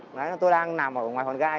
nói là tôi đang nằm ở ngoài hòn gai